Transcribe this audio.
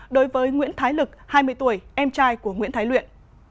đối với nguyễn thái lực hai mươi tuổi em trai của nguyễn thái luyện